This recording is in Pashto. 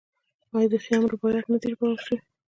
آیا د خیام رباعیات نه دي ژباړل شوي؟